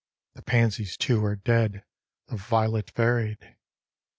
The pansies, too, are dead, the violet varied.